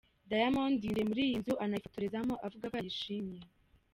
Diamond yinjiye muri iyi nzu anayifotorezamo avuga ko yayishimye.